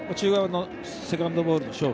セカンドボールの勝負。